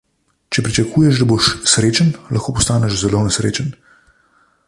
Če pričakuješ, da boš srečen, lahko postaneš zelo nesrečen.